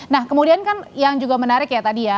nah kemudian kan yang juga menarik ya tadi ya